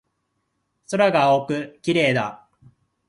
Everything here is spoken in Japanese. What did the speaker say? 空が青くて綺麗だ